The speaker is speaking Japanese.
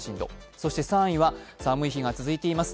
そして３位は寒い日が続いています